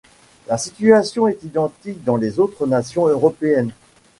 La situation est identique dans les autres nations européennes.